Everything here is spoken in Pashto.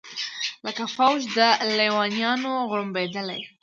لکه فوج د لېونیانو غړومبېدله